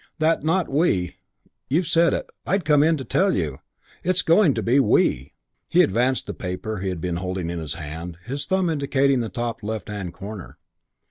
"That 'not we.' You've said it! I'd come in to tell you. It's going to be 'we.'" He advanced the paper he had been holding in his hand, his thumb indicating the top left hand corner.